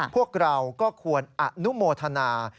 พวกเราก็ควรอนุโมทนา